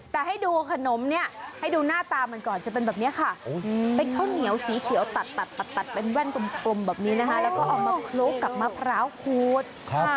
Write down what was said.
แต่ให้ดูขนมเนี่ยให้ดูหน้าตามันก่อนจะเป็นแบบนี้ค่ะเป็นข้าวเหนียวสีเขียวตัดตัดเป็นแว่นกลมแบบนี้นะคะแล้วก็เอามาคลุกกับมะพร้าวขูด